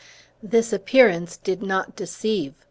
This appearance did not deceive.